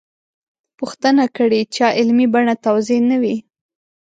پوښتنه کړې چا علمي بڼه توضیح نه وي.